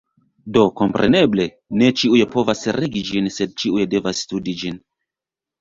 Do kompreneble, ne ĉiuj povas regi ĝin, sed ĉiuj devas studi ĝin.